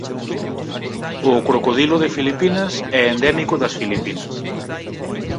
O crocodilo de Filipinas é endémico das Filipinas.